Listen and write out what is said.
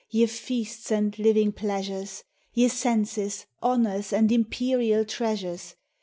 Ye feasts and living pleasures ! Ye senses, honours, and imperial treasures